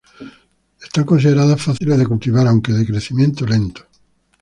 Son consideradas fáciles de cultivar aunque de crecimiento lento.